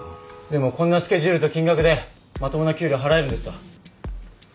でもこんなスケジュールと金額でまともな給料払えるんですか？